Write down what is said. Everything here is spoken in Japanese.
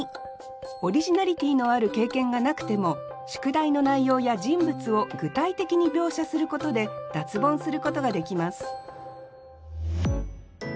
オリジナリティーのある経験がなくても宿題の内容や人物を具体的に描写することで脱ボンすることができます